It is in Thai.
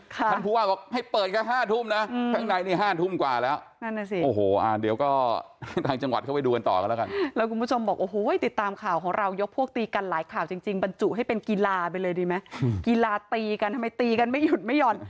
กีฬาตีกันทำไมตีกันไม่หยุดไม่หย่อน